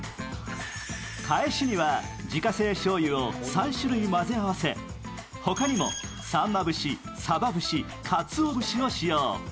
かえしには、自家製しょうゆを３種類混ぜ合わせ、他にも、さんま節、さば節かつお節を使用。